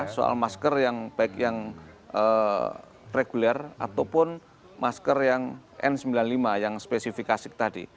soal masker yang baik yang reguler ataupun masker yang n sembilan puluh lima yang spesifikasi tadi